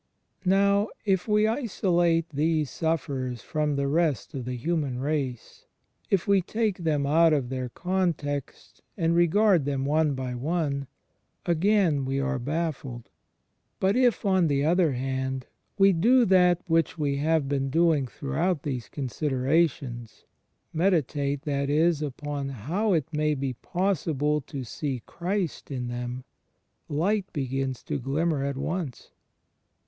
Now if we isolate these sufferers from the rest of the human race, if we take them out of their context and regard them one by one, again we are baffled. But if, on the other hand, we do that which we have been doing throughout these considerations — meditate, that is, upon how it may be possible to see Christ in them — light begins to glimmer at once.